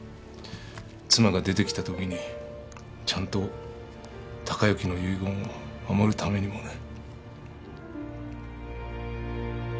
妻が出てきたときにちゃんと貴之の遺言を守るためにもね。